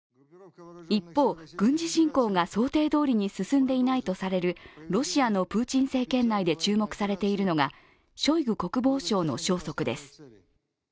一方、軍事侵攻が想定どおりに進んでいないとされるロシアのプーチン政権内で注目されているのがショイグ国防相の消息です。